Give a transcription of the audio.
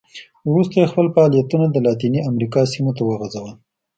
وروسته یې خپل فعالیتونه د لاتینې امریکا سیمو ته وغځول.